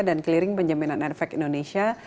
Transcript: dan keliring penjaminan efek indonesia